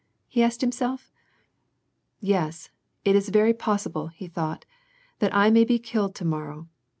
" he asked himself. " Yes, it is very possible," he thought, " that I may be kQled to morrow."